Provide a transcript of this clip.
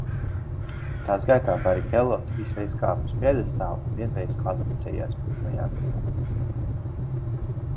Tās gaitā Barikello trīsreiz kāpa uz pjedestāla un vienreiz kvalificējās pirmajā vietā.